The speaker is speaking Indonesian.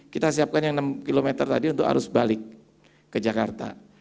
kita siapkan yang enam km tadi untuk arus balik ke jakarta